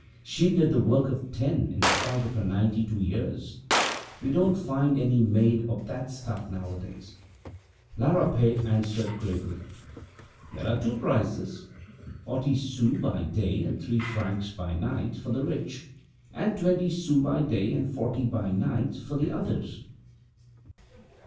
She used to work for ten, in spite of her ninety two years. You don't find any made of that stuff nowadays!" La Rapet answered gravely: "There are two prices. Forty sous by day and three francs by night for the rich, and twenty sous by day, and forty by night for the others.